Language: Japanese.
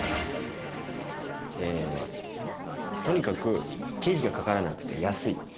えとにかく経費がかからなくて安い。